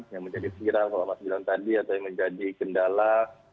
yang menjadi kira seperti yang mas bilang tadi atau yang menjadi kendala